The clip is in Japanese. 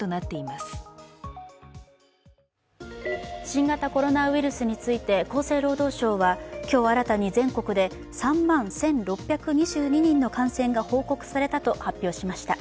新型コロナウイルスについて厚生労働省は今日新たに全国で３万１６２２人の感染が報告されたと発表しました。